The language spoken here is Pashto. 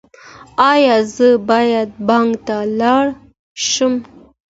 ایا زه باید بانک ته لاړ شم؟